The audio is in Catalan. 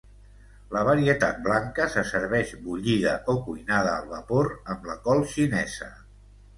La varietat blanca se serveix bullida o cuinada al vapor amb la col xinesa.